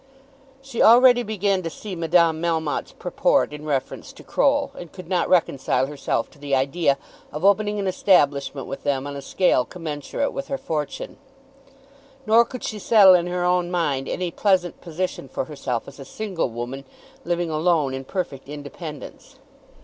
She already began to see Madame Melmotte's purport in reference to Croll, and could not reconcile herself to the idea of opening an establishment with them on a scale commensurate with her fortune. Nor could she settle in her own mind any pleasant position for herself as a single woman, living alone in perfect independence.